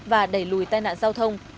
và đẩy lùi tai nạn giao thông